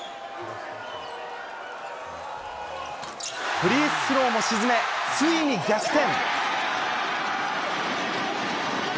フリースローも沈め、ついに逆転。